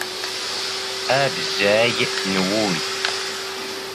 ⴰⴱⵣⴰⴳ ⵏ ⵡⵓⵍ.